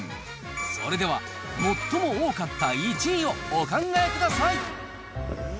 それでは、最も多かった１位をお考え下さい。